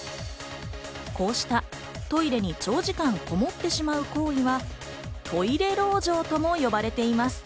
こうした、トイレに長時間こもってしまう行為はトイレ籠城ともいわれています。